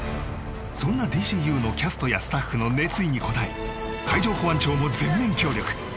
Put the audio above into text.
そんな「ＤＣＵ」のキャストやスタッフの熱意に応え海上保安庁も全面協力